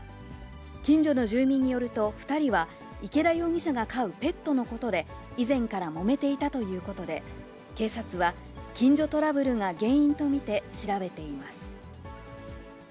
近所の住民によると、２人は池田容疑者が飼うペットのことで、以前からもめていたということで、警察は、近所トラブルが原因と見て調べています。